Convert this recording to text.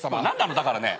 だからねえ。